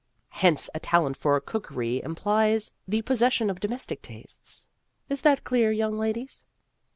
Hence, a talent for cookery im plies the possession of domestic tastes. Is that clear, young ladies